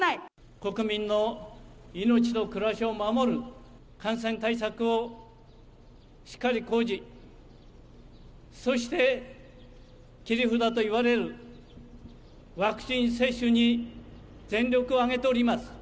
国民の命と暮らしを守る、感染対策をしっかり講じ、そして切り札といわれるワクチン接種に全力を挙げております。